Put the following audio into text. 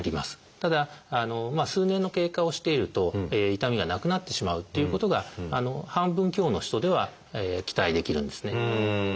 ただ数年の経過をしていると痛みがなくなってしまうっていうことが半分強の人では期待できるんですね。